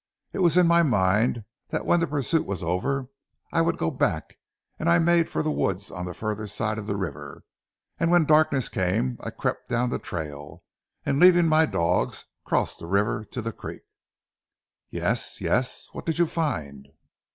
It was in my mind that when the pursuit was over I would go back, and I made for the woods on the further side of the river, and when darkness came I crept down the trail, and leaving my dogs crossed the river to the creek." "Yes? Yes? What did you find?"